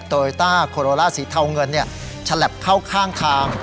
เตอร์เอตต้าโคโรล่าสีเทาเงินเนี่ยฉลับเข้าข้างข้าง